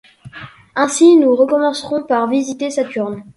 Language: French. Ainsi, nous commencerons par visiter Saturne…